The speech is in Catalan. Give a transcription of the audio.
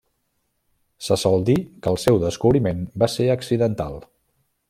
Se sol dir que el seu descobriment va ser accidental.